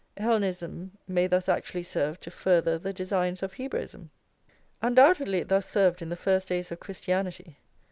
Hellenism may thus actually serve to further the designs of Hebraism. Undoubtedly it thus served in the first days of Christianity.